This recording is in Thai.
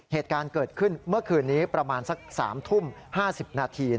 เหตุการณ์เกิดขึ้นเมื่อคืนนี้ประมาณสัก๓ทุ่ม๕๐นาที